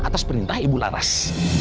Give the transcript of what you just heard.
atas perintah ibu laras